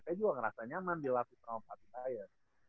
saya juga ngerasa nyaman dilatih sama pelatih saya